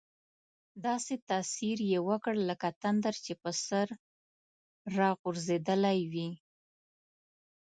داسې تاثیر یې وکړ لکه تندر چې په سر را غورځېدلی وي.